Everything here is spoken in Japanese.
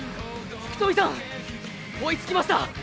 福富さん追いつきました！